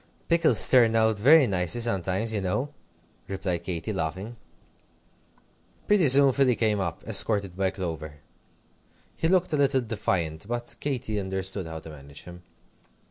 "Pickles turn out very nice sometimes, you know," replied Katy, laughing. Pretty soon Philly came up, escorted by Clover. He looked a little defiant, but Katy understood how to manage him.